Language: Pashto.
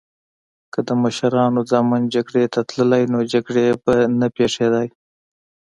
که د مشرانو ځامن جګړی ته تللی نو جګړې به نه پیښیدی